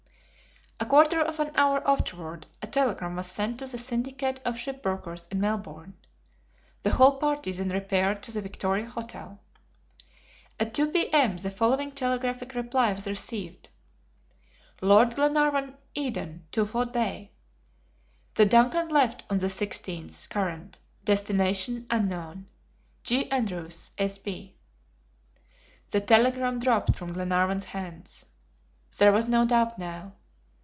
A quarter of an hour afterward a telegram was sent to the syndicate of shipbrokers in Melbourne. The whole party then repaired to the Victoria Hotel. At 2 P.M. the following telegraphic reply was received: "LORD GLENARVAN, Eden. "Twofold Bay. "The DUNCAN left on the 16th current. Destination unknown. J. ANDREWS, S. B." The telegram dropped from Glenarvan's hands. There was no doubt now.